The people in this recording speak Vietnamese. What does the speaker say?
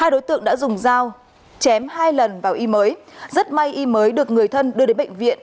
hai đối tượng đã dùng dao chém hai lần vào y mới rất may y mới được người thân đưa đến bệnh viện